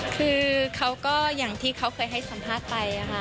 คือเขาก็อย่างที่เขาเคยให้สัมภาษณ์ไปค่ะ